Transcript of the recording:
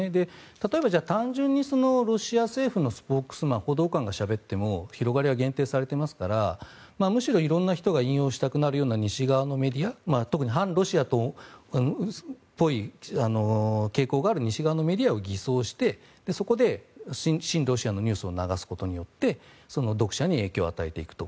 例えば、単純にロシア政府のスポークスマン報道官がしゃべっても広がりは限定されていますからむしろ色んな人が引用したくなるような西側のメディア特に反ロシアっぽい傾向がある西側のメディアを偽装してそこで親ロシアのニュースを流すことによって読者に影響を与えていくと。